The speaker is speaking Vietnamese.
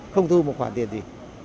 không thu một khoản tiền gì